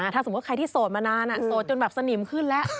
ถ้าสมมุติใครที่โสดมานานโสดจนแบบสนิมขึ้นแล้ว